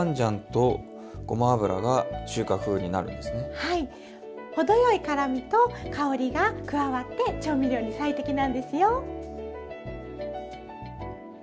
はい程よい辛みと香りが加わって調味料に最適なんですよ。